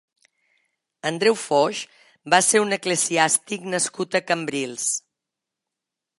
Andreu Foix va ser un eclesiàstic nascut a Cambrils.